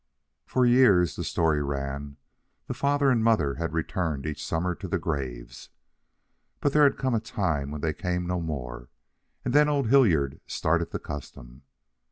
For years, the story ran, the father and mother had returned each summer to the graves. But there had come a time when they came no more, and then old Hillard started the custom.